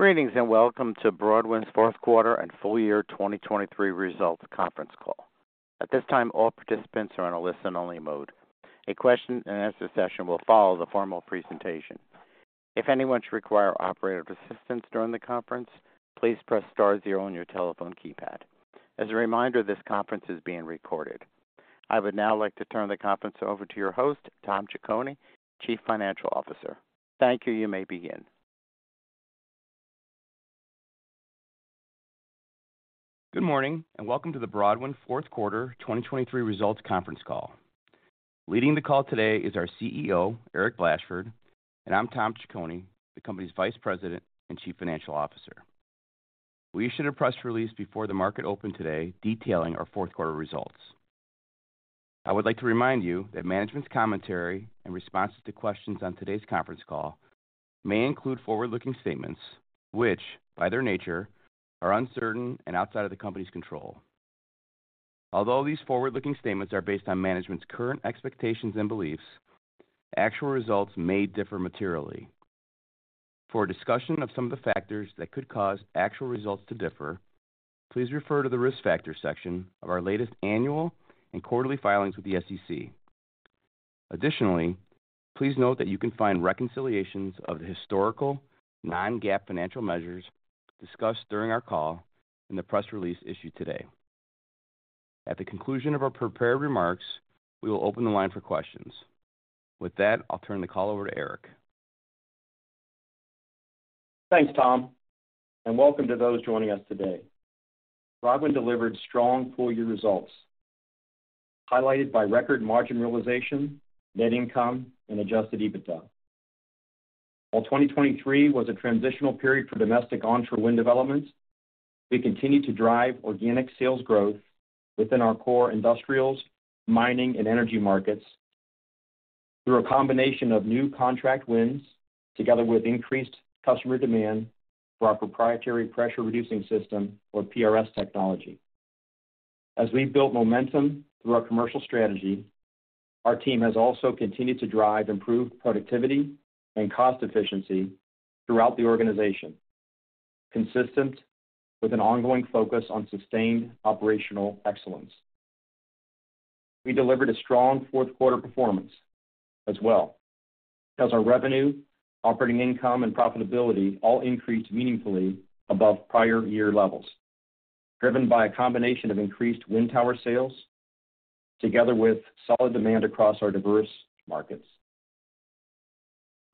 Greetings and welcome to Broadwind's fourth quarter and full year 2023 results conference call. At this time, all participants are in a listen-only mode. A question-and-answer session will follow the formal presentation. If anyone should require operative assistance during the conference, please press star zero on your telephone keypad. As a reminder, this conference is being recorded. I would now like to turn the conference over to your host, Tom Ciccone, Chief Financial Officer. Thank you. You may begin. Good morning and welcome to the Broadwind fourth quarter 2023 results conference call. Leading the call today is our CEO, Eric Blashford, and I'm Tom Ciccone, the company's Vice President and Chief Financial Officer. We issued a press release before the market opened today detailing our fourth quarter results. I would like to remind you that management's commentary and responses to questions on today's conference call may include forward-looking statements which, by their nature, are uncertain and outside of the company's control. Although these forward-looking statements are based on management's current expectations and beliefs, actual results may differ materially. For a discussion of some of the factors that could cause actual results to differ, please refer to the risk factors section of our latest annual and quarterly filings with the SEC. Additionally, please note that you can find reconciliations of the historical, non-GAAP financial measures discussed during our call in the press release issued today. At the conclusion of our prepared remarks, we will open the line for questions. With that, I'll turn the call over to Eric. Thanks, Tom, and welcome to those joining us today. Broadwind delivered strong full year results, highlighted by record margin realization, net income, and adjusted EBITDA. While 2023 was a transitional period for domestic entrepreneurial development, we continued to drive organic sales growth within our core industrials, mining, and energy markets through a combination of new contract wins together with increased customer demand for our proprietary pressure-reducing system, or PRS, technology. As we've built momentum through our commercial strategy, our team has also continued to drive improved productivity and cost efficiency throughout the organization, consistent with an ongoing focus on sustained operational excellence. We delivered a strong fourth quarter performance as well as our revenue, operating income, and profitability all increased meaningfully above prior year levels, driven by a combination of increased wind tower sales together with solid demand across our diverse markets.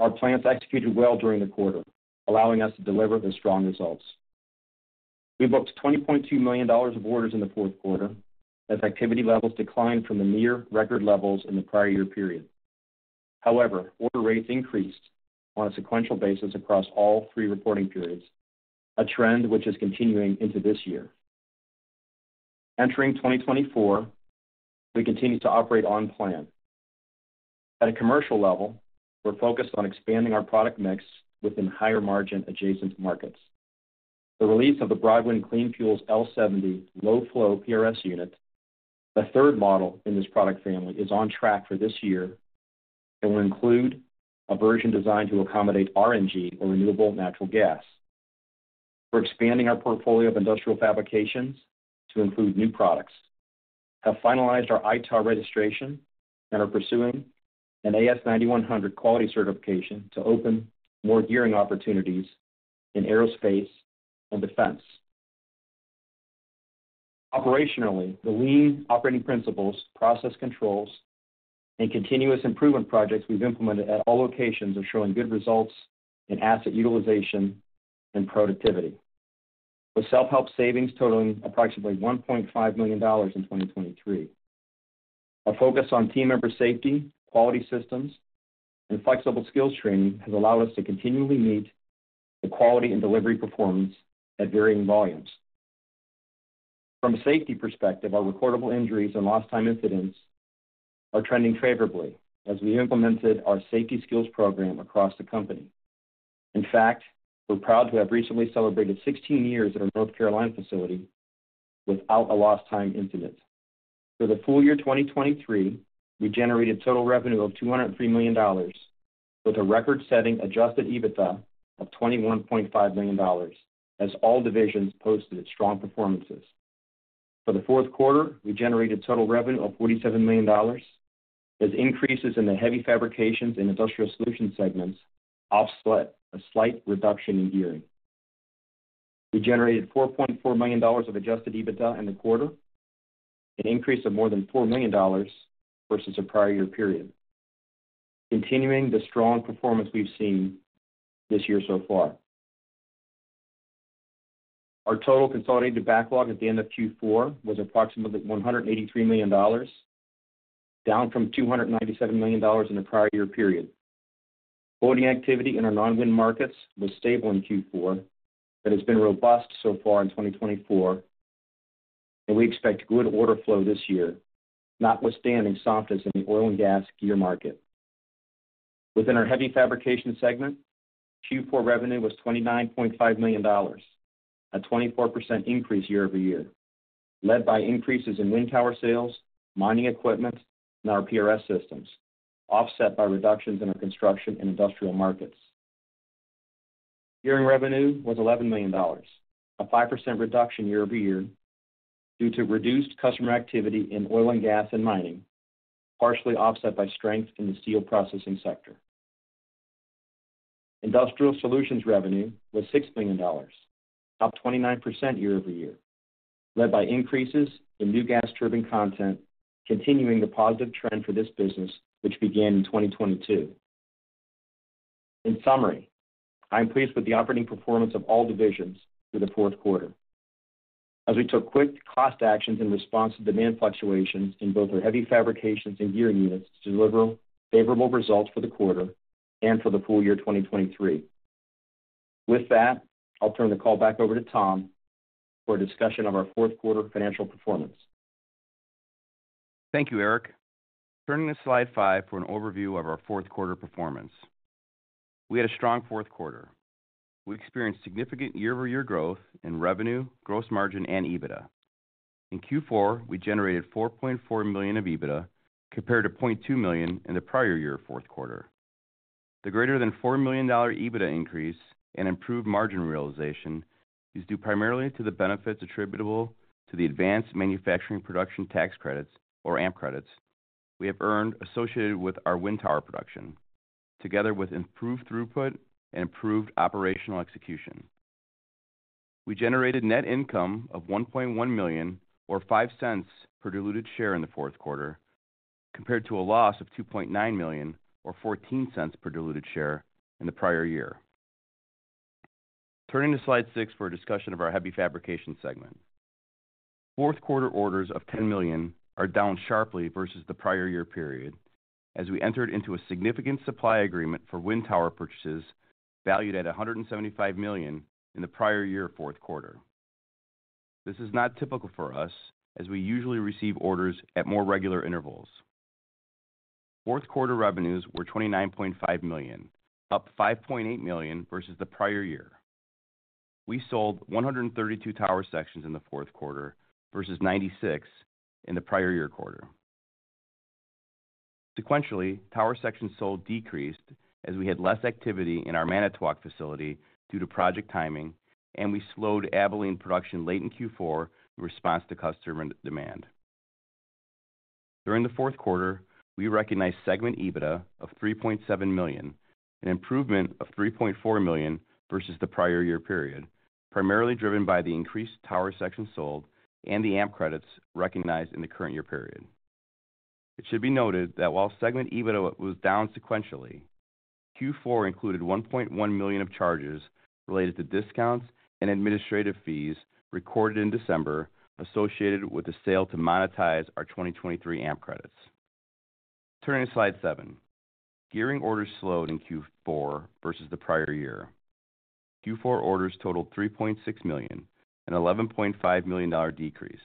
Our plants executed well during the quarter, allowing us to deliver the strong results. We booked $20.2 million of orders in the fourth quarter as activity levels declined from the near-record levels in the prior year period. However, order rates increased on a sequential basis across all three reporting periods, a trend which is continuing into this year. Entering 2024, we continue to operate on plan. At a commercial level, we're focused on expanding our product mix within higher-margin adjacent markets. The release of the Broadwind Clean Fuels L70 low-flow PRS unit, the third model in this product family, is on track for this year and will include a version designed to accommodate RNG, or renewable natural gas. We're expanding our portfolio of industrial fabrications to include new products, have finalized our ITAR registration, and are pursuing an AS9100 quality certification to open more gearing opportunities in aerospace and defense. Operationally, the lean operating principles, process controls, and continuous improvement projects we've implemented at all locations are showing good results in asset utilization and productivity, with self-help savings totaling approximately $1.5 million in 2023. A focus on team member safety, quality systems, and flexible skills training has allowed us to continually meet the quality and delivery performance at varying volumes. From a safety perspective, our recordable injuries and lost-time incidents are trending favorably as we implemented our safety skills program across the company. In fact, we're proud to have recently celebrated 16 years at our North Carolina facility without a lost-time incident. For the full year 2023, we generated total revenue of $203 million, with a record-setting adjusted EBITDA of $21.5 million as all divisions posted strong performances. For the fourth quarter, we generated total revenue of $47 million as increases in the heavy fabrications and industrial solutions segments offset a slight reduction in gearing. We generated $4.4 million of adjusted EBITDA in the quarter, an increase of more than $4 million versus a prior year period, continuing the strong performance we've seen this year so far. Our total consolidated backlog at the end of Q4 was approximately $183 million, down from $297 million in a prior year period. Booking activity in our non-wind markets was stable in Q4 but has been robust so far in 2024, and we expect good order flow this year, notwithstanding softness in the oil and gas gear market. Within our heavy fabrication segment, Q4 revenue was $29.5 million, a 24% increase year-over-year, led by increases in wind tower sales, mining equipment, and our PRS systems, offset by reductions in our construction and industrial markets. Gearing revenue was $11 million, a 5% reduction year-over-year due to reduced customer activity in oil and gas and mining, partially offset by strength in the steel processing sector. Industrial solutions revenue was $6 million, up 29% year-over-year, led by increases in new gas turbine content, continuing the positive trend for this business which began in 2022. In summary, I'm pleased with the operating performance of all divisions for the fourth quarter as we took quick cost actions in response to demand fluctuations in both our heavy fabrications and gearing units to deliver favorable results for the quarter and for the full year 2023. With that, I'll turn the call back over to Tom for a discussion of our fourth quarter financial performance. Thank you, Eric. Turning to slide five for an overview of our fourth quarter performance. We had a strong fourth quarter. We experienced significant year-over-year growth in revenue, gross margin, and EBITDA. In Q4, we generated $4.4 million of EBITDA compared to $0.2 million in the prior year fourth quarter. The greater-than-$4 million EBITDA increase and improved margin realization is due primarily to the benefits attributable to the advanced manufacturing production tax Credits, or AMP Credits, we have earned associated with our wind tower production, together with improved throughput and improved operational execution. We generated net income of $1.1 million, or $0.05, per diluted share in the fourth quarter, compared to a loss of $2.9 million, or $0.14, per diluted share in the prior year. Turning to slide six for a discussion of our heavy fabrication segment. Fourth quarter orders of $10 million are down sharply versus the prior year period as we entered into a significant supply agreement for wind tower purchases valued at $175 million in the prior year fourth quarter. This is not typical for us as we usually receive orders at more regular intervals. Fourth quarter revenues were $29.5 million, up $5.8 million versus the prior year. We sold 132 tower sections in the fourth quarter versus 96 in the prior year quarter. Sequentially, tower sections sold decreased as we had less activity in our Manitowoc facility due to project timing, and we slowed Abilene production late in Q4 in response to customer demand. During the fourth quarter, we recognized segment EBITDA of $3.7 million, an improvement of $3.4 million versus the prior year period, primarily driven by the increased tower sections sold and the AMP Credits recognized in the current year period. It should be noted that while segment EBITDA was down sequentially, Q4 included $1.1 million of charges related to discounts and administrative fees recorded in December associated with the sale to monetize our 2023 AMP Credits. Turning to slide seven. Gearing orders slowed in Q4 versus the prior year. Q4 orders totaled $3.6 million, an $11.5 million decrease.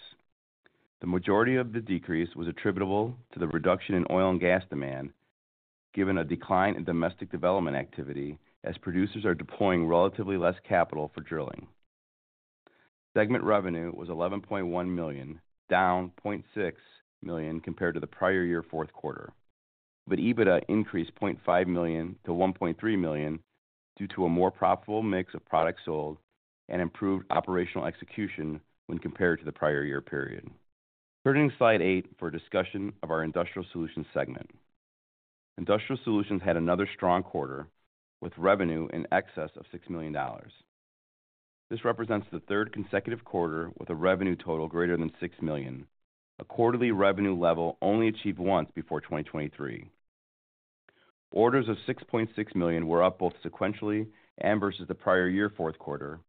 The majority of the decrease was attributable to the reduction in oil and gas demand given a decline in domestic development activity as producers are deploying relatively less capital for drilling. Segment revenue was $11.1 million, down $0.6 million compared to the prior year fourth quarter, but EBITDA increased $0.5 million to $1.3 million due to a more profitable mix of products sold and improved operational execution when compared to the prior year period. Turning to slide eight for a discussion of our industrial solutions segment. Industrial solutions had another strong quarter with revenue in excess of $6 million. This represents the third consecutive quarter with a revenue total greater than $6 million, a quarterly revenue level only achieved once before 2023. Orders of $6.6 million were up both sequentially and versus the prior year fourth quarter,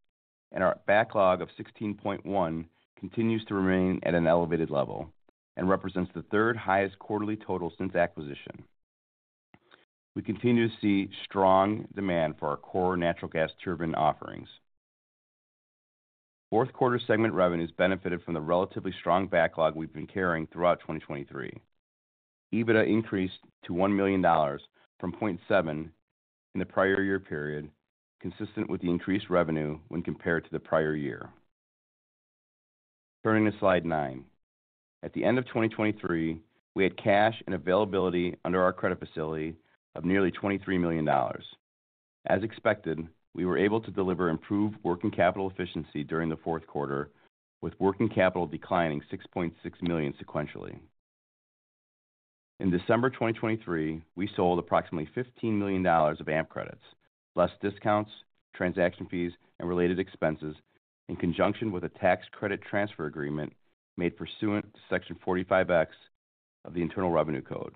and our backlog of $16.1 million continues to remain at an elevated level and represents the third highest quarterly total since acquisition. We continue to see strong demand for our core natural gas turbine offerings. Fourth quarter segment revenues benefited from the relatively strong backlog we've been carrying throughout 2023. EBITDA increased to $1 million from $0.7 million in the prior year period, consistent with the increased revenue when compared to the prior year. Turning to slide nine. At the end of 2023, we had cash and availability under our credit facility of nearly $23 million. As expected, we were able to deliver improved working capital efficiency during the fourth quarter, with working capital declining $6.6 million sequentially. In December 2023, we sold approximately $15 million of AMP Credits, plus discounts, transaction fees, and related expenses in conjunction with a tax credit transfer agreement made pursuant to Section 45X of the Internal Revenue Code.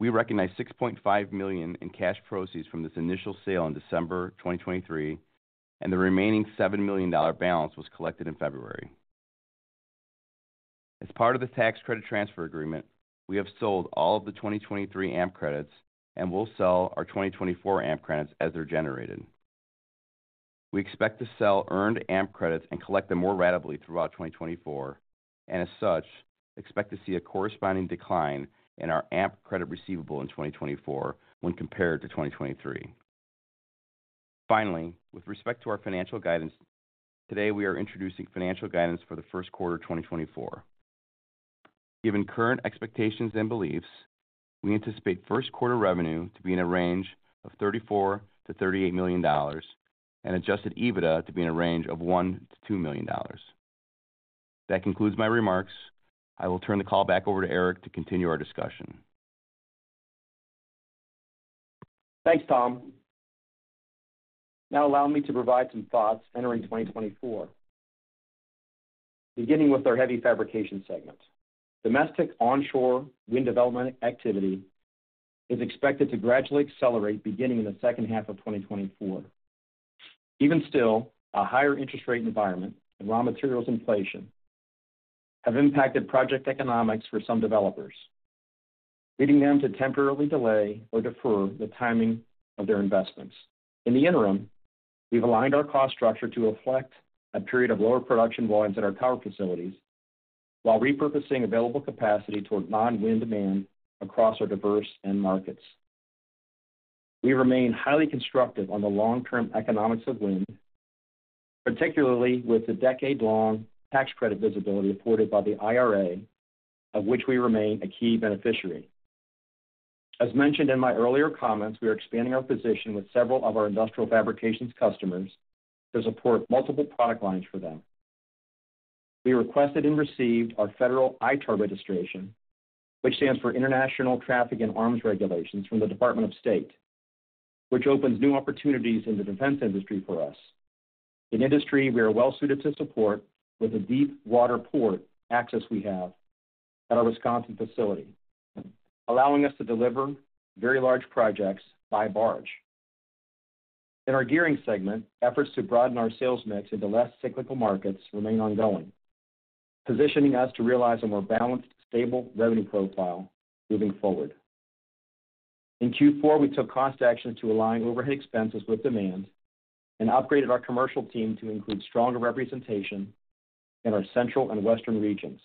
We recognized $6.5 million in cash proceeds from this initial sale in December 2023, and the remaining $7 million balance was collected in February. As part of this tax credit transfer agreement, we have sold all of the 2023 AMP Credits and will sell our 2024 AMP Credits as they're generated. We expect to sell earned AMP Credits and collect them more rapidly throughout 2024, and as such, expect to see a corresponding decline in our AMP Credits receivable in 2024 when compared to 2023. Finally, with respect to our financial guidance, today we are introducing financial guidance for the first quarter 2024. Given current expectations and beliefs, we anticipate first quarter revenue to be in a range of $34 million-$38 million and adjusted EBITDA to be in a range of $1 million-$2 million. That concludes my remarks. I will turn the call back over to Eric to continue our discussion. Thanks, Tom. Now allow me to provide some thoughts entering 2024, beginning with our heavy fabrication segment. Domestic onshore wind development activity is expected to gradually accelerate beginning in the second half of 2024. Even still, a higher interest rate environment and raw materials inflation have impacted project economics for some developers, leading them to temporarily delay or defer the timing of their investments. In the interim, we've aligned our cost structure to reflect a period of lower production volumes at our tower facilities while repurposing available capacity toward non-wind demand across our diverse end markets. We remain highly constructive on the long-term economics of wind, particularly with the decade-long tax credit visibility afforded by the IRA, of which we remain a key beneficiary. As mentioned in my earlier comments, we are expanding our position with several of our industrial fabrications customers to support multiple product lines for them. We requested and received our federal ITAR registration, which stands for International Traffic in Arms Regulations, from the Department of State, which opens new opportunities in the defense industry for us, an industry we are well-suited to support with the deep water port access we have at our Wisconsin facility, allowing us to deliver very large projects by barge. In our gearing segment, efforts to broaden our sales mix into less cyclical markets remain ongoing, positioning us to realize a more balanced, stable revenue profile moving forward. In Q4, we took cost actions to align overhead expenses with demand and upgraded our commercial team to include stronger representation in our central and western regions.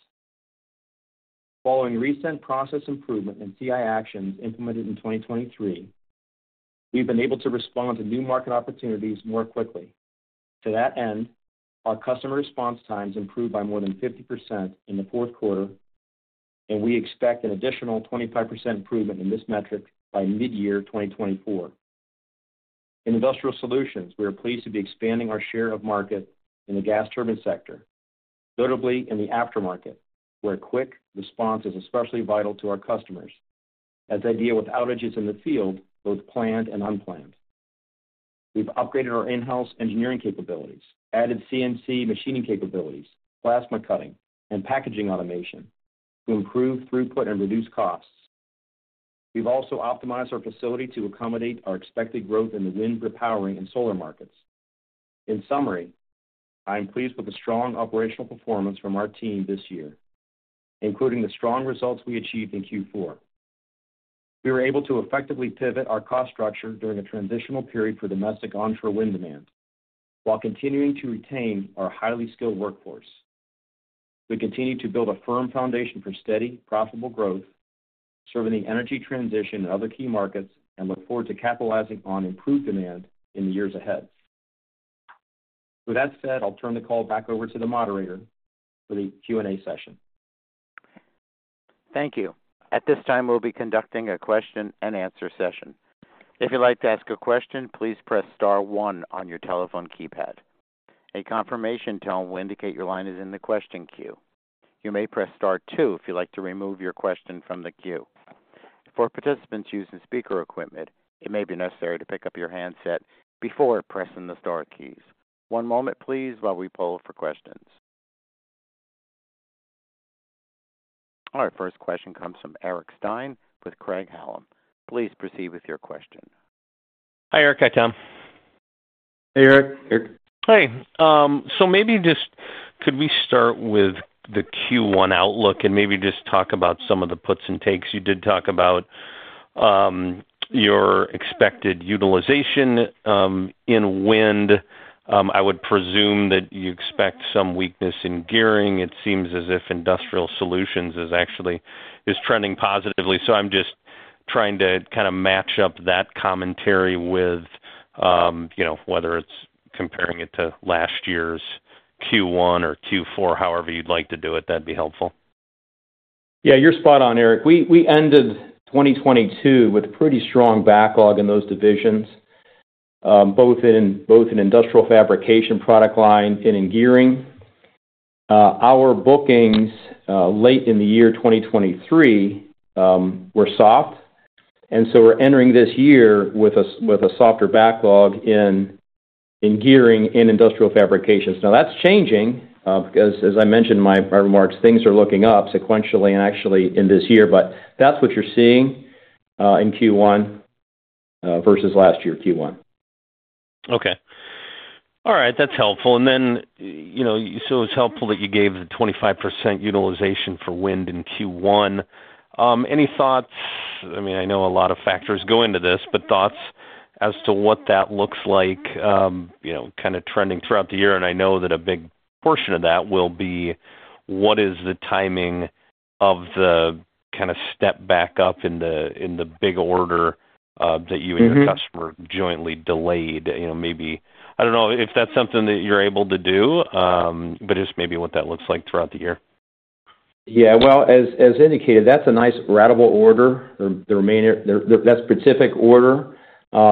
Following recent process improvement and CI actions implemented in 2023, we've been able to respond to new market opportunities more quickly. To that end, our customer response times improved by more than 50% in the fourth quarter, and we expect an additional 25% improvement in this metric by mid-year 2024. In industrial solutions, we are pleased to be expanding our share of market in the gas turbine sector, notably in the aftermarket, where quick response is especially vital to our customers as they deal with outages in the field, both planned and unplanned. We've upgraded our in-house engineering capabilities, added CNC machining capabilities, plasma cutting, and packaging automation to improve throughput and reduce costs. We've also optimized our facility to accommodate our expected growth in the wind, repowering, and solar markets. In summary, I'm pleased with the strong operational performance from our team this year, including the strong results we achieved in Q4. We were able to effectively pivot our cost structure during a transitional period for domestic onshore wind demand while continuing to retain our highly skilled workforce. We continue to build a firm foundation for steady, profitable growth, serving the energy transition and other key markets, and look forward to capitalizing on improved demand in the years ahead. With that said, I'll turn the call back over to the moderator for the Q&A session. Thank you. At this time, we'll be conducting a question-and-answer session. If you'd like to ask a question, please press star one on your telephone keypad. A confirmation tone will indicate your line is in the question queue. You may press star two if you'd like to remove your question from the queue. For participants using speaker equipment, it may be necessary to pick up your handset before pressing the star keys. One moment, please, while we pull for questions. All right. First question comes from Eric Stine with Craig-Hallum. Please proceed with your question. Hi, Eric. Hi, Tom. Hey, Eric. Hi. So maybe just could we start with the Q1 outlook and maybe just talk about some of the puts and takes? You did talk about your expected utilization in wind. I would presume that you expect some weakness in gearing. It seems as if industrial solutions is trending positively. So I'm just trying to kind of match up that commentary with whether it's comparing it to last year's Q1 or Q4, however you'd like to do it, that'd be helpful. Yeah, you're spot on, Eric. We ended 2022 with pretty strong backlog in those divisions, both in industrial fabrication product line and in gearing. Our bookings late in the year 2023 were soft, and so we're entering this year with a softer backlog in gearing in industrial fabrications. Now, that's changing because, as I mentioned in my remarks, things are looking up sequentially and actually in this year. But that's what you're seeing in Q1 versus last year Q1. Okay. All right. That's helpful. And then so it's helpful that you gave the 25% utilization for wind in Q1. Any thoughts? I mean, I know a lot of factors go into this, but thoughts as to what that looks like kind of trending throughout the year? And I know that a big portion of that will be what is the timing of the kind of step back up in the big order that you and your customer jointly delayed? I don't know if that's something that you're able to do, but just maybe what that looks like throughout the year. Yeah. Well, as indicated, that's a nice ratable order. That specific order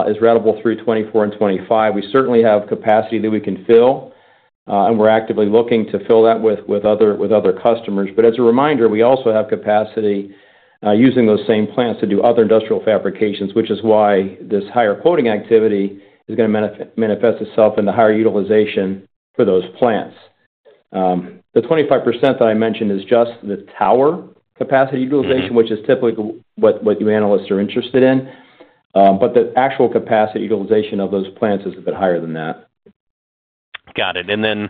is ratable through 2024 and 2025. We certainly have capacity that we can fill, and we're actively looking to fill that with other customers. But as a reminder, we also have capacity using those same plants to do other industrial fabrications, which is why this higher quoting activity is going to manifest itself in the higher utilization for those plants. The 25% that I mentioned is just the tower capacity utilization, which is typically what you analysts are interested in. But the actual capacity utilization of those plants is a bit higher than that. Got it. And then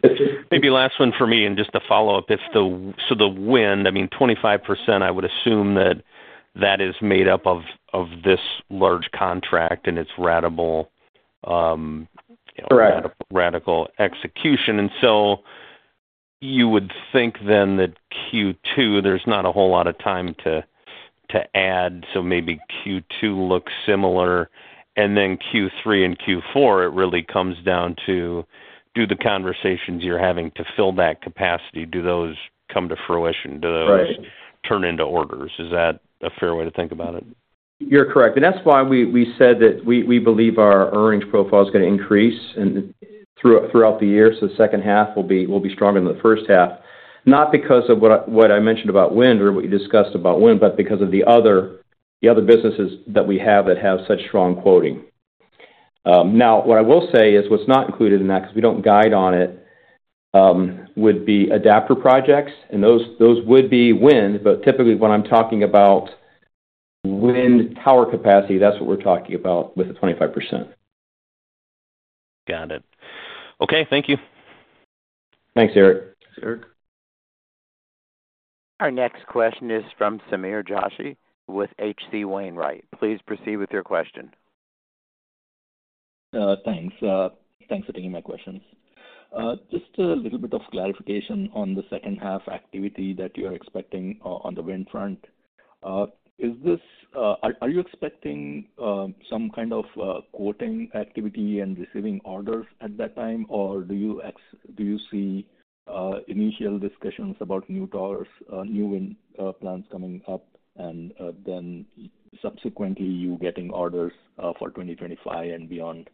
maybe last one for me and just a follow-up. So the wind, I mean, 25%, I would assume that that is made up of this large contract and its ratable execution. And so you would think then that Q2, there's not a whole lot of time to add. So maybe Q2 looks similar. And then Q3 and Q4, it really comes down to do the conversations you're having to fill that capacity. Do those come to fruition? Do those turn into orders? Is that a fair way to think about it? You're correct. That's why we said that we believe our earnings profile is going to increase throughout the year. The second half will be stronger than the first half, not because of what I mentioned about wind or what you discussed about wind, but because of the other businesses that we have that have such strong quoting. Now, what I will say is what's not included in that because we don't guide on it would be adapter projects. Those would be wind. Typically, when I'm talking about wind tower capacity, that's what we're talking about with the 25%. Got it. Okay. Thank you. Thanks, Eric. Thanks, Eric. Our next question is from Sameer Joshi with H.C. Wainwright. Please proceed with your question. Thanks. Thanks for taking my questions. Just a little bit of clarification on the second-half activity that you are expecting on the wind front. Are you expecting some kind of quoting activity and receiving orders at that time, or do you see initial discussions about new wind plants coming up and then subsequently you getting orders for 2025 and beyond?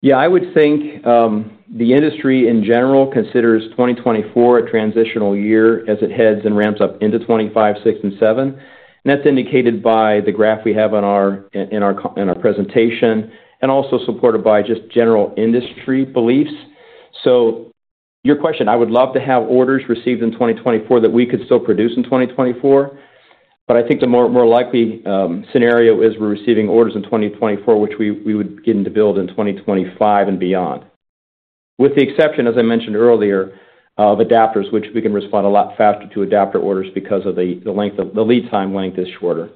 Yeah. I would think the industry in general considers 2024 a transitional year as it heads and ramps up into 2025, 2026, and 2027. And that's indicated by the graph we have in our presentation and also supported by just general industry beliefs. So your question, I would love to have orders received in 2024 that we could still produce in 2024. But I think the more likely scenario is we're receiving orders in 2024, which we would begin to build in 2025 and beyond, with the exception, as I mentioned earlier, of adapters, which we can respond a lot faster to adapter orders because the lead time length is shorter.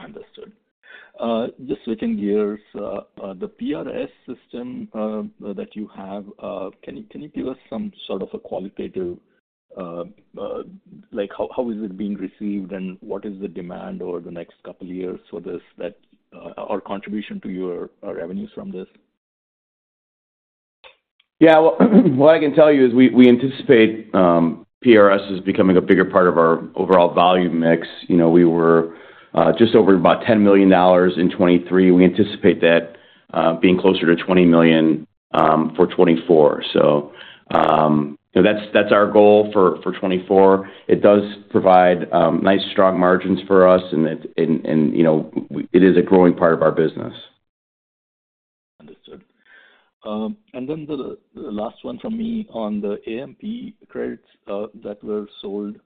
Understood. Just switching gears, the PRS system that you have, can you give us some sort of a qualitative how is it being received, and what is the demand over the next couple of years for this or contribution to your revenues from this? Yeah. Well, what I can tell you is we anticipate PRS is becoming a bigger part of our overall value mix. We were just over about $10 million in 2023. We anticipate that being closer to $20 million for 2024. So that's our goal for 2024. It does provide nice, strong margins for us, and it is a growing part of our business. Understood. And then the last one from me on the AMP credits that were sold,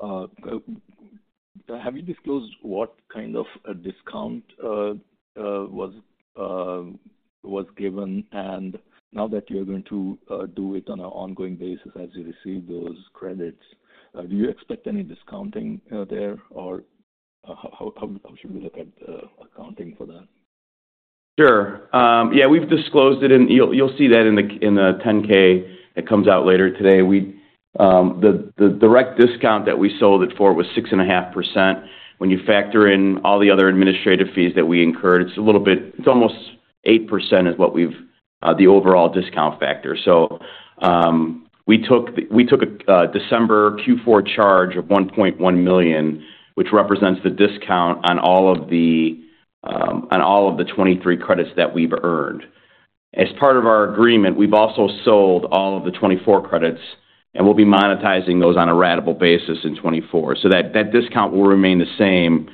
have you disclosed what kind of a discount was given? And now that you're going to do it on an ongoing basis as you receive those credits, do you expect any discounting there, or how should we look at accounting for that? Sure. Yeah. We've disclosed it, and you'll see that in the 10-K. It comes out later today. The direct discount that we sold it for was 6.5%. When you factor in all the other administrative fees that we incurred, it's almost 8% is the overall discount factor. So we took a December Q4 charge of $1.1 million, which represents the discount on all of the 23 credits that we've earned. As part of our agreement, we've also sold all of the 24 credits, and we'll be monetizing those on a regular basis in 2024. So that discount will remain the same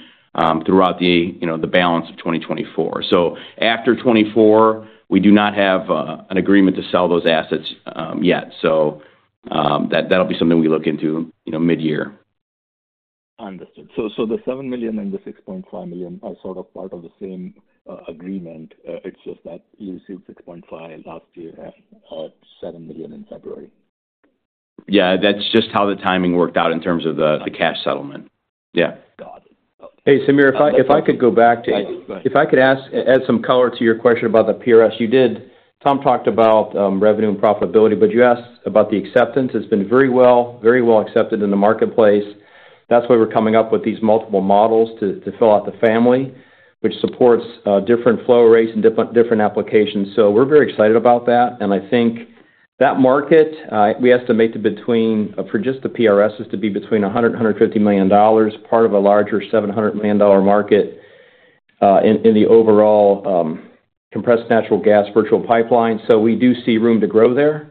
throughout the balance of 2024. So after 2024, we do not have an agreement to sell those assets yet. So that'll be something we look into mid-year. Understood. So the $7 million and the $6.5 million are sort of part of the same agreement. It's just that you received $6.5 million last year and $7 million in February. Yeah. That's just how the timing worked out in terms of the cash settlement. Yeah. Got it. Okay. Hey, Sameer, if I could go back to add some color to your question about the PRS, Tom talked about revenue and profitability, but you asked about the acceptance. It's been very well accepted in the marketplace. That's why we're coming up with these multiple models to fill out the family, which supports different flow rates and different applications. So we're very excited about that. And I think that market, we estimate for just the PRS, is to be between $100 million and $150 million, part of a larger $700 million market in the overall compressed natural gas virtual pipeline. So we do see room to grow there,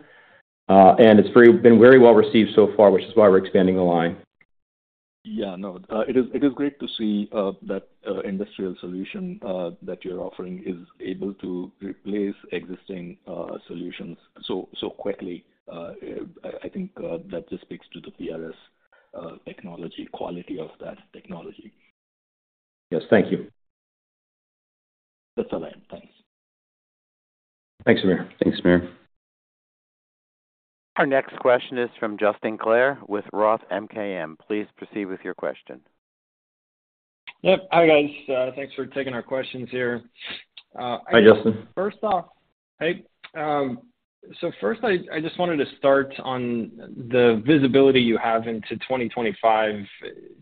and it's been very well received so far, which is why we're expanding the line. Yeah. No. It is great to see that industrial solution that you're offering is able to replace existing solutions so quickly. I think that just speaks to the PRS quality of that technology. Yes. Thank you. That's all I have. Thanks. Thanks, Sameer. Thanks, Sameer. Our next question is from Justin Clare with ROTH MKM. Please proceed with your question. Yep. Hi, guys. Thanks for taking our questions here. Hi, Justin. Hey. So first, I just wanted to start on the visibility you have into 2025.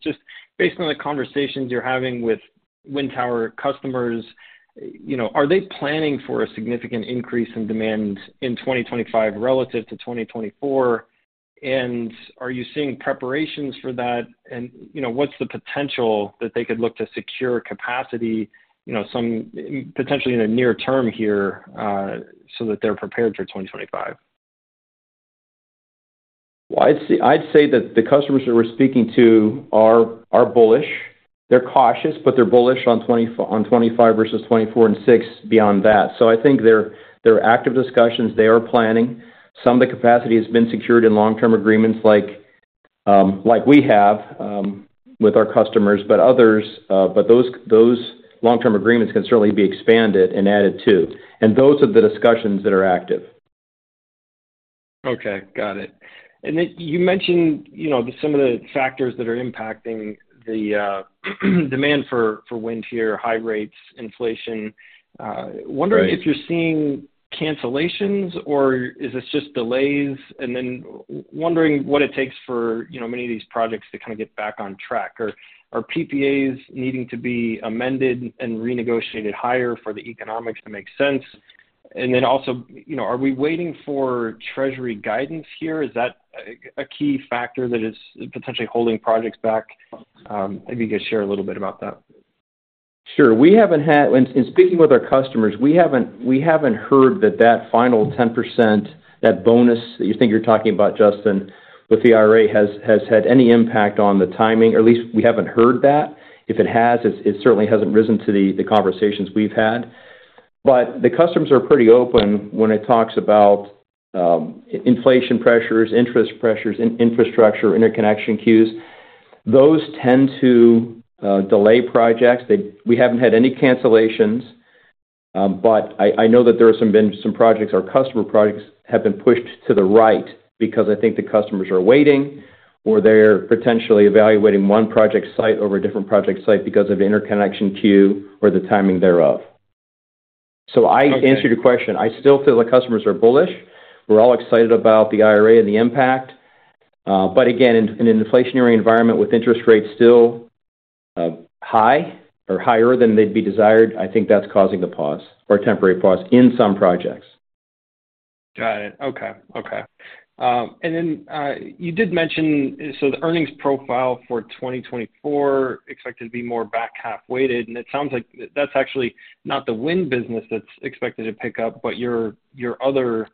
Just based on the conversations you're having with wind tower customers, are they planning for a significant increase in demand in 2025 relative to 2024? And are you seeing preparations for that? And what's the potential that they could look to secure capacity, potentially in the near term here, so that they're prepared for 2025? Well, I'd say that the customers that we're speaking to are bullish. They're cautious, but they're bullish on 2025 versus 2024 and 2026 beyond that. I think they're active discussions. They are planning. Some of the capacity has been secured in long-term agreements like we have with our customers. But those long-term agreements can certainly be expanded and added too. Those are the discussions that are active. Okay. Got it. And then you mentioned some of the factors that are impacting the demand for wind here, high rates, inflation. Wondering if you're seeing cancellations, or is this just delays? And then wondering what it takes for many of these projects to kind of get back on track. Are PPAs needing to be amended and renegotiated higher for the economics to make sense? And then also, are we waiting for treasury guidance here? Is that a key factor that is potentially holding projects back? If you could share a little bit about that. Sure. In speaking with our customers, we haven't heard that that final 10%, that bonus that you think you're talking about, Justin, with the IRA has had any impact on the timing. Or at least we haven't heard that. If it has, it certainly hasn't risen to the conversations we've had. But the customers are pretty open when it talks about inflation pressures, interest pressures, infrastructure, interconnection queues. Those tend to delay projects. We haven't had any cancellations. But I know that there have been some projects, our customer projects, have been pushed to the right because I think the customers are waiting, or they're potentially evaluating one project site over a different project site because of the interconnection queue or the timing thereof. So I answered your question. I still feel the customers are bullish. We're all excited about the IRA and the impact. But again, in an inflationary environment with interest rates still high or higher than they'd be desired, I think that's causing the pause or temporary pause in some projects. Got it. Okay. Okay. And then you did mention so the earnings profile for 2024 expected to be more back-half-weighted. And it sounds like that's actually not the wind business that's expected to pick up, but your other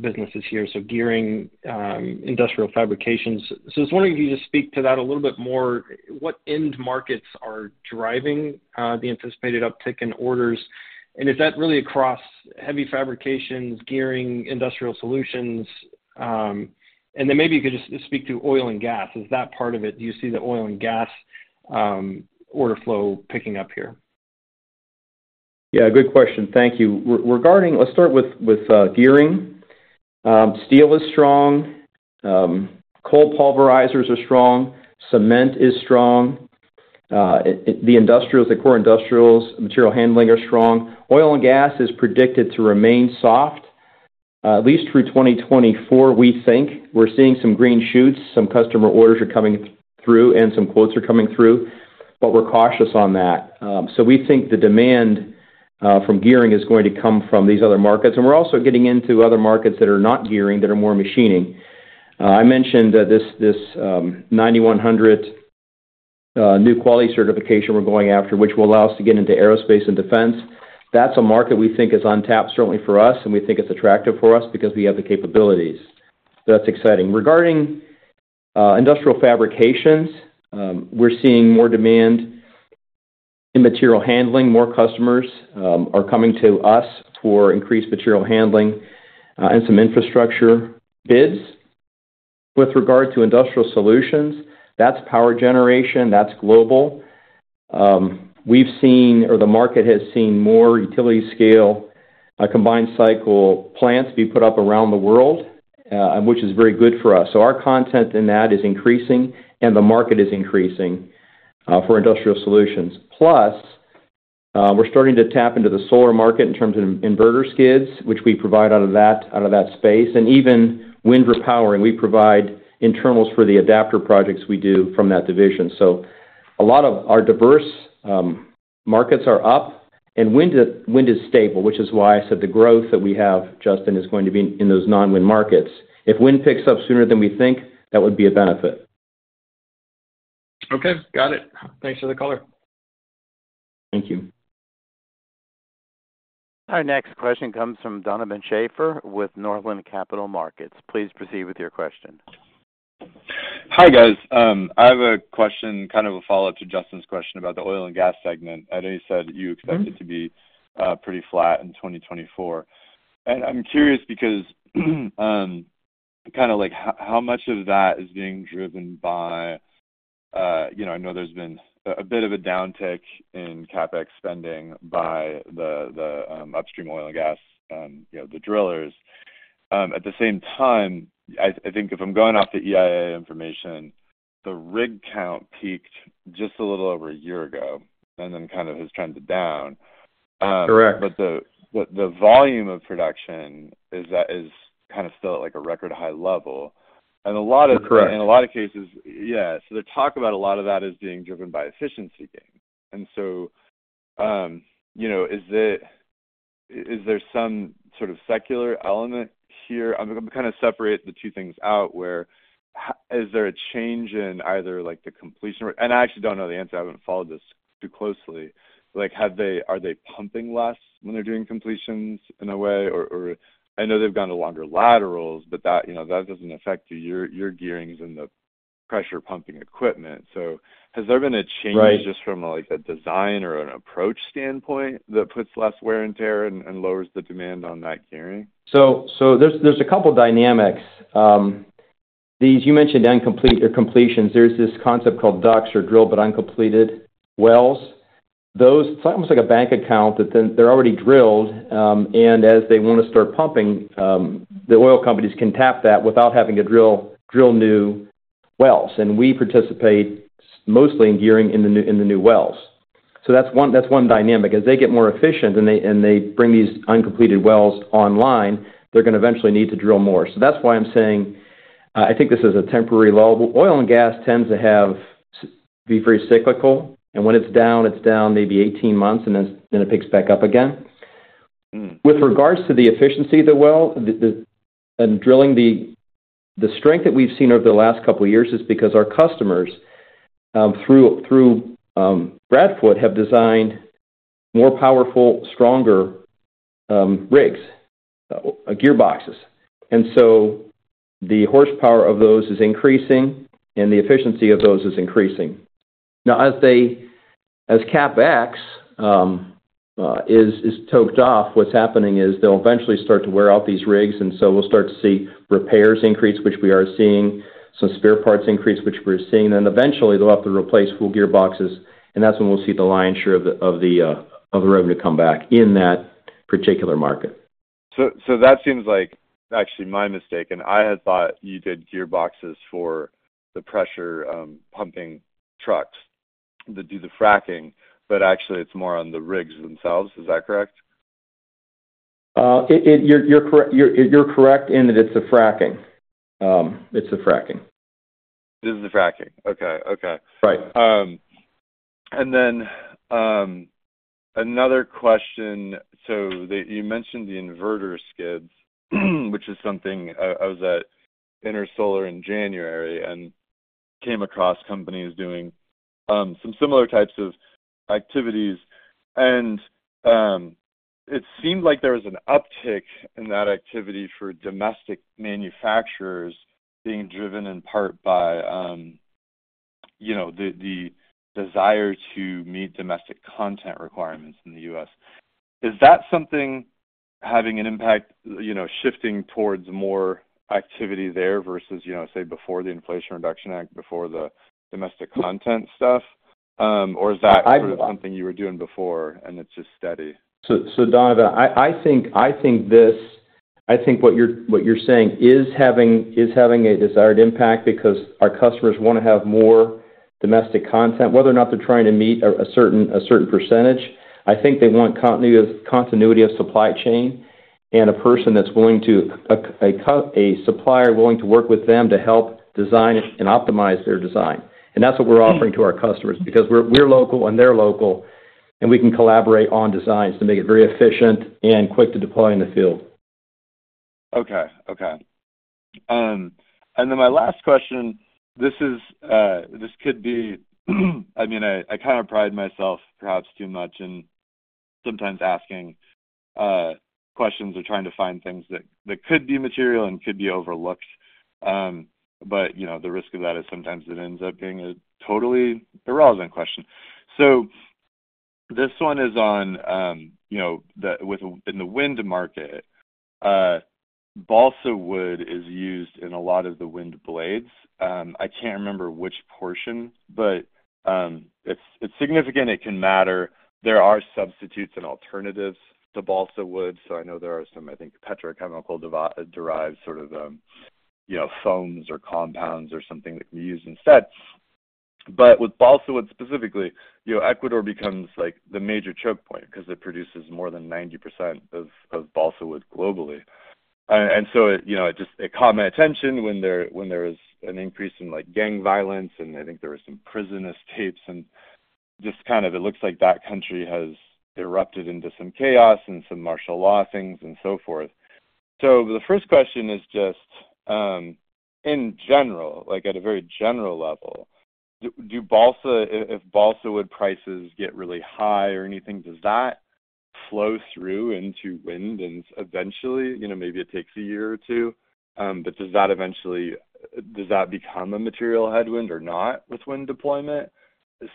businesses here, so gearing, industrial fabrications. So I was wondering if you could just speak to that a little bit more. What end markets are driving the anticipated uptick in orders? And is that really across heavy fabrications, gearing, industrial solutions? And then maybe you could just speak to oil and gas. Is that part of it? Do you see the oil and gas order flow picking up here? Yeah. Good question. Thank you. Let's start with gearing. Steel is strong. Coal pulverizers are strong. Cement is strong. The core industrials, material handling, are strong. Oil and gas is predicted to remain soft, at least through 2024, we think. We're seeing some green shoots. Some customer orders are coming through, and some quotes are coming through. But we're cautious on that. So we think the demand from gearing is going to come from these other markets. And we're also getting into other markets that are not gearing, that are more machining. I mentioned this AS9100 new quality certification we're going after, which will allow us to get into aerospace and defense. That's a market we think is untapped, certainly for us, and we think it's attractive for us because we have the capabilities. So that's exciting. Regarding industrial fabrications, we're seeing more demand in material handling. More customers are coming to us for increased material handling and some infrastructure bids. With regard to industrial solutions, that's power generation. That's global. We've seen, or the market has seen, more utility-scale combined cycle plants be put up around the world, which is very good for us. So our content in that is increasing, and the market is increasing for industrial solutions. Plus, we're starting to tap into the solar market in terms of inverter skids, which we provide out of that space. And even wind repowering, we provide internals for the adapter projects we do from that division. So a lot of our diverse markets are up. And wind is stable, which is why I said the growth that we have, Justin, is going to be in those non-wind markets. If wind picks up sooner than we think, that would be a benefit. Okay. Got it. Thanks for the color. Thank you. Our next question comes from Donovan Schafer with Northland Capital Markets. Please proceed with your question. Hi, guys. I have a question, kind of a follow-up to Justin's question about the oil and gas segment. I know you said you expect it to be pretty flat in 2024. And I'm curious because kind of how much of that is being driven by I know there's been a bit of a downtick in CapEx spending by the upstream oil and gas, the drillers. At the same time, I think if I'm going off the EIA information, the rig count peaked just a little over a year ago and then kind of has trended down. But the volume of production is kind of still at a record high level. And in a lot of cases, yeah. So they talk about a lot of that as being driven by efficiency gain. And so is there some sort of secular element here? I'm going to kind of separate the two things out, where is there a change in either the completion rate? I actually don't know the answer. I haven't followed this too closely. Are they pumping less when they're doing completions in a way? Or I know they've gone to longer laterals, but that doesn't affect your gearings and the pressure-pumping equipment. So has there been a change just from a design or an approach standpoint that puts less wear and tear and lowers the demand on that gearing? So there's a couple of dynamics. You mentioned complete or completions. There's this concept called DUCs or drilled but uncompleted wells. It's almost like a bank account that they're already drilled. And as they want to start pumping, the oil companies can tap that without having to drill new wells. And we participate mostly in gearing in the new wells. So that's one dynamic. As they get more efficient and they bring these uncompleted wells online, they're going to eventually need to drill more. So that's why I'm saying I think this is a temporary level. Oil and gas tends to be very cyclical. And when it's down, it's down maybe 18 months, and then it picks back up again. With regards to the efficiency of the well and drilling, the strength that we've seen over the last couple of years is because our customers through Brad Foote Gear Works have designed more powerful, stronger rigs, gearboxes. So the horsepower of those is increasing, and the efficiency of those is increasing. Now, as CapEx is tapered off, what's happening is they'll eventually start to wear out these rigs. So we'll start to see repairs increase, which we are seeing, some spare parts increase, which we're seeing. And then eventually, they'll have to replace full gearboxes. And that's when we'll see the lion's share of the revenue come back in that particular market. That seems like actually my mistake. I had thought you did gearboxes for the pressure-pumping trucks that do the fracking. Actually, it's more on the rigs themselves. Is that correct? You're correct in that it's a fracking. It's a fracking. This is the fracking. Okay. Okay. And then another question. So you mentioned the inverter skids, which is something I was at Intersolar in January and came across companies doing some similar types of activities. And it seemed like there was an uptick in that activity for domestic manufacturers being driven in part by the desire to meet domestic content requirements in the U.S. Is that something having an impact shifting towards more activity there versus, say, before the Inflation Reduction Act, before the domestic content stuff? Or is that sort of something you were doing before, and it's just steady? So, Donovan, I think what you're saying is having a desired impact because our customers want to have more domestic content, whether or not they're trying to meet a certain percentage. I think they want continuity of supply chain and a supplier that's willing to work with them to help design and optimize their design. And that's what we're offering to our customers because we're local, and they're local. And we can collaborate on designs to make it very efficient and quick to deploy in the field. Okay. Okay. And then my last question, this could be I mean, I kind of pride myself perhaps too much in sometimes asking questions or trying to find things that could be material and could be overlooked. But the risk of that is sometimes it ends up being a totally irrelevant question. So this one is on within the wind market. Balsa wood is used in a lot of the wind blades. I can't remember which portion, but it's significant. It can matter. There are substitutes and alternatives to balsa wood. So I know there are some, I think, petrochemical-derived sort of foams or compounds or something that can be used instead. But with balsa wood specifically, Ecuador becomes the major choke point because it produces more than 90% of balsa wood globally. And so it caught my attention when there was an increase in gang violence. I think there were some prison escapes. Just kind of it looks like that country has erupted into some chaos and some martial law things and so forth. The first question is just, in general, at a very general level, if balsa wood prices get really high or anything, does that flow through into wind? And eventually, maybe it takes a year or two. But does that eventually become a material headwind or not with wind deployment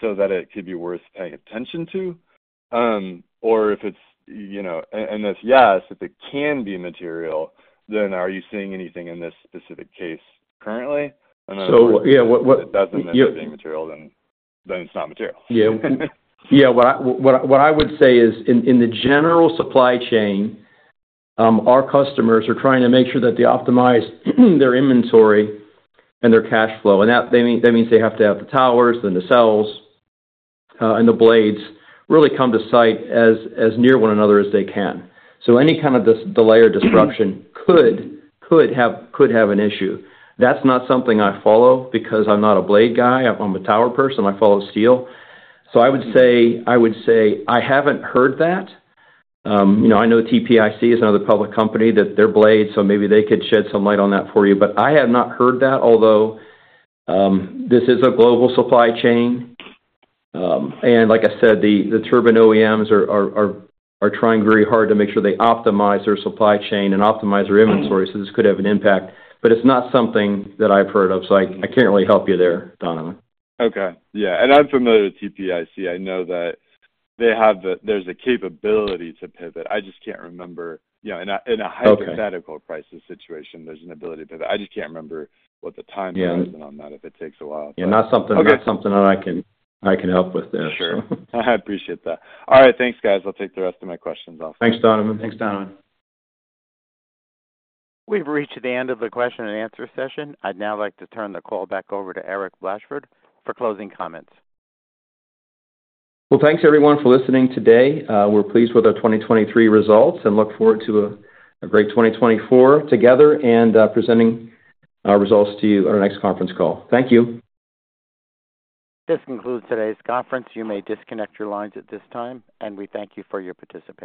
so that it could be worth paying attention to? Or if it's, and if yes, if it can be material, then are you seeing anything in this specific case currently? So yeah. What If it doesn't end up being material, then it's not material. Yeah. Yeah. What I would say is, in the general supply chain, our customers are trying to make sure that they optimize their inventory and their cash flow. And that means they have to have the towers, then the nacelles, and the blades really come to site as near one another as they can. So any kind of delay or disruption could have an issue. That's not something I follow because I'm not a blade guy. I'm a tower person. I follow steel. So I would say I haven't heard that. I know TPIC is another public company, their blades. So maybe they could shed some light on that for you. But I have not heard that, although this is a global supply chain. And like I said, the turbine OEMs are trying very hard to make sure they optimize their supply chain and optimize their inventory. This could have an impact. But it's not something that I've heard of. I can't really help you there, Donovan. Okay. Yeah. And I'm familiar with TPIC. I know that there's a capability to pivot. I just can't remember in a hypothetical prices situation, there's an ability to pivot. I just can't remember what the timeline has been on that, if it takes a while. Yeah. Not something that I can help with there. Sure. I appreciate that. All right. Thanks, guys. I'll take the rest of my questions off. Thanks, Donovan. Thanks, Donovan. We've reached the end of the question and answer session. I'd now like to turn the call back over to Eric Blashford for closing comments. Well, thanks, everyone, for listening today. We're pleased with our 2023 results and look forward to a great 2024 together and presenting our results to you at our next conference call. Thank you. This concludes today's conference. You may disconnect your lines at this time. We thank you for your participation.